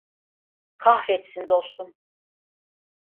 Kahretsin dostum.